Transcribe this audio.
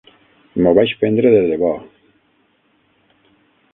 M'ho vaig prendre de debò...